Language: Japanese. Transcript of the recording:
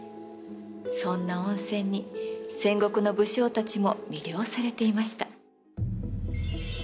そんな温泉に戦国の武将たちも魅了されていました。